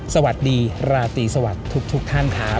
สวัสดีราตรีสวัสดีทุกท่านครับ